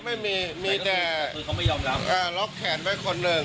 ไม่มีครับมีแต่ล็อกแขนไว้คนหนึ่ง